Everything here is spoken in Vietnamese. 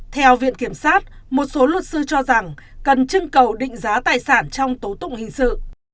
theo viện kiểm sát một số luật sư cho rằng cần trưng cầu định giá tài sản trong tố tụng hình sự